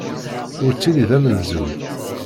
Ur ttili d amenzug.